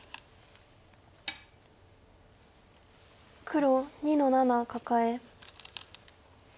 黒２の七カカエ。